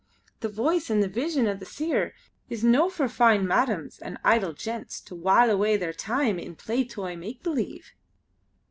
The Voice and the Vision o' the Seer is no for fine madams and idle gentles to while away their time in play toy make believe!"